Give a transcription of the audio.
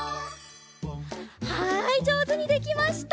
はいじょうずにできました！